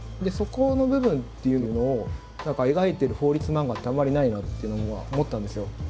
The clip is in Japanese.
そこの部分っていうのを描いてる法律漫画ってあんまりないなっていうのは思ったんですよ。